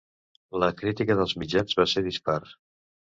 La crítica dels mitjans va ser dispar.